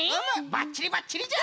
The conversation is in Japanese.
ばっちりばっちりじゃ！